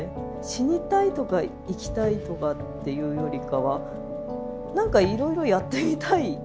死にたいとか生きたいとかっていうよりかは何かいろいろやってみたい。